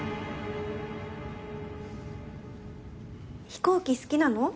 飛行機好きなの？